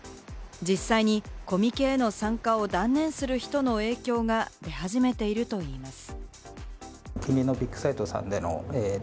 実際にコミケへの参加を断念する人の影響が出始めているといいます。